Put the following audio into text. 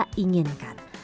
tapi dia inginkan